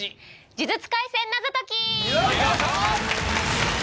『呪術廻戦』謎解き。